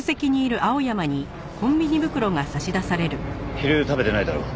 昼食べてないだろう。